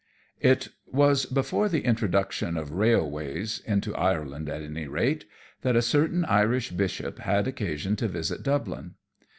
_ It was before the introduction of railways, into Ireland at any rate, that a certain Irish Bishop had occasion to visit Dublin.